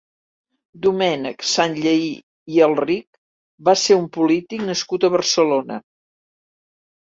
Domènec Sanllehy i Alrich va ser un polític nascut a Barcelona.